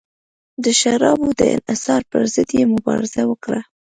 د شرابو د انحصار پرضد یې مبارزه وکړه.